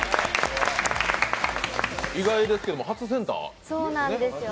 意外ですけど、初センターですね。